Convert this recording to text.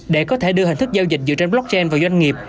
để có thể đưa hình thức giao dịch dựa trên blockchain vào doanh nghiệp